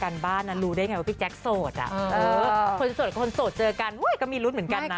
คนสดคนสดเจอกันก็มีรุ้นเหมือนกันนะ